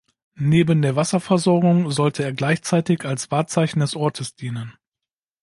Neben der Wasserversorgung sollte er gleichzeitig als Wahrzeichen des Ortes dienen.